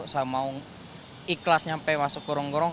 saya mau ikhlas nyampe masuk kurung kurung